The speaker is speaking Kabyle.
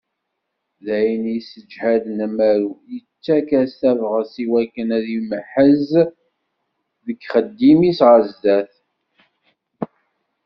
D ayen yesseǧhaden amaru, yettak-as tabɣest i wakken ad yemhez deg yixeddim-is ɣer sdat.